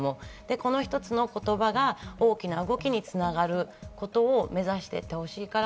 この一つの言葉が大きな動きにつながることを目指していってほしいから。